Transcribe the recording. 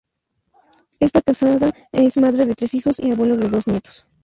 Está casada, es madre de tres hijos y abuela de dos nietos.